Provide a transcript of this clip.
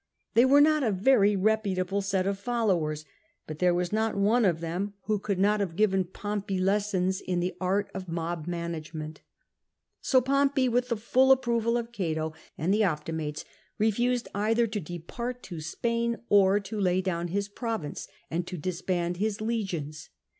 They were not a very reputable set of followers, hut there was not one of them who could not have given Pompey lessons in the art of mob management. So Pompey, with the full a]>proval of Cato and the Optimates, refused either to depart to Spain or to lay down his province and to disband his legions.